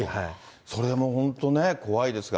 それも本当ね、怖いですが。